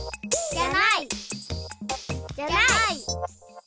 じゃない。